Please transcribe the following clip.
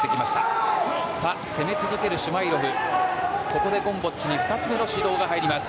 ここで、ゴムボッチに２つ目の指導が入ります。